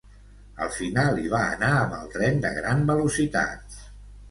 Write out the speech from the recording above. Al final hi va anar amb el tren de gran velocitat.